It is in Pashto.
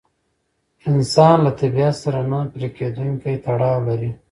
انسان له طبیعت سره نه پرېکېدونکی تړاو لري.